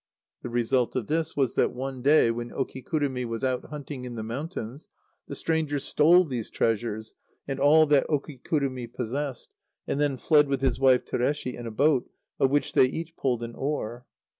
The result of this was that one day when Okikurumi was out hunting in the mountains the stranger stole these treasures and all that Okikurumi possessed, and then fled with his wife Tureshi in a boat, of which they each pulled an oar.